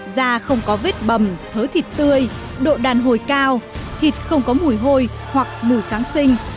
da không có vết bầm thớ thịt tươi độ đàn hồi cao thịt không có mùi hôi hoặc mùi kháng sinh